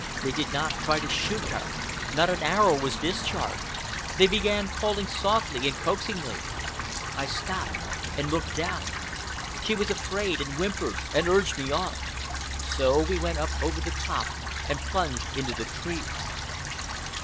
They did not try to shoot her. Not an arrow was discharged. They began calling softly and coaxingly. I stopped and looked down. She was afraid, and whimpered and urged me on. So we went up over the top and plunged into the trees.